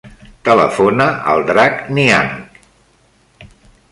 Telefona al Drac Niang.